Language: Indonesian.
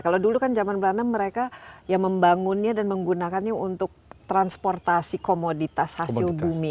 kalau dulu kan zaman belanda mereka ya membangunnya dan menggunakannya untuk transportasi komoditas hasil bumi